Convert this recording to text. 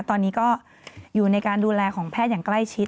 ตอนนี้ก็อยู่ในการดูแลของแพทย์อย่างใกล้ชิด